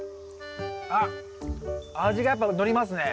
あっ味がやっぱのりますね。